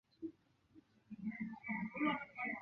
维耶维莱赖埃。